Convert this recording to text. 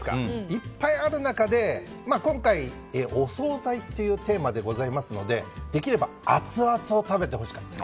いっぱいある中で今回、お総菜というテーマでございますのでできればアツアツを食べてほしかった。